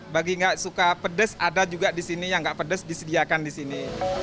bagi nggak suka pedes ada juga di sini yang nggak pedes disediakan di sini